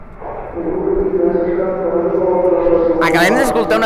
Um grupo de crianças cantando e colocando as mãos no ar